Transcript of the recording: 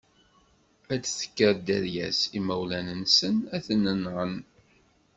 Ad d-tekker dderya s imawlan-nsen, ad ten-nɣen.